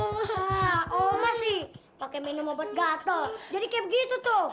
oh masih pakai minum obat gatel jadi kayak begitu tuh